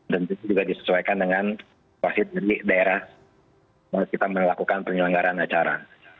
dan juga disesuaikan dengan situasi dari daerah kita melakukan penyelenggaraan acara